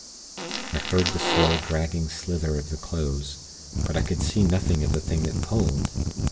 I heard the slow, dragging slither of the clothes; but I could see nothing of the thing that pulled.